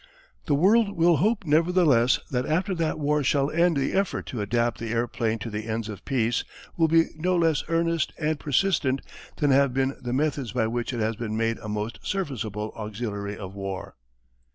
The world will hope nevertheless that after that war shall end the effort to adapt the airplane to the ends of peace will be no less earnest and persistent than have been the methods by which it has been made a most serviceable auxiliary of war.